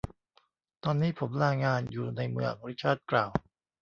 ตอนนี้ผมลางานอยู่ในเมือง ริชาร์ดกล่าว